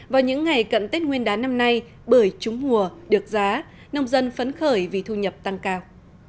vào những ngày cận tết nguyên đán năm nay bưởi trúng mùa được giá nông dân phấn khởi vì thu nhập tăng cao